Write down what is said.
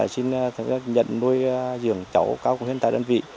xin nhận nuôi dưỡng cháu cao của hiện tại đơn vị